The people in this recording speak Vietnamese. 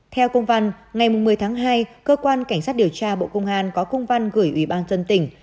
theo công văn ngày một mươi tháng hai cơ quan cảnh sát điều tra bộ công an có cung văn gửi ủy ban dân tỉnh